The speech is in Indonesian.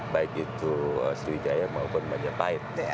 baik itu sriwijaya maupun majapahit